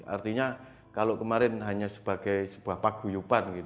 artinya kalau kemarin hanya sebagai sebuah paguyuban